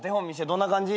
どんな感じ？